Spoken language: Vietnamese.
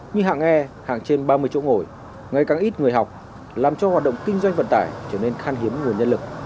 như hạng e hàng trên ba mươi chỗ ngồi ngày càng ít người học làm cho hoạt động kinh doanh vận tải trở nên khan hiếm nguồn nhân lực